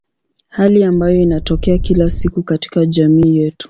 Hali ambayo inatokea kila siku katika jamii yetu.